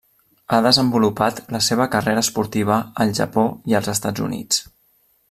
Ha desenvolupat la seva carrera esportiva al Japó i als Estats Units.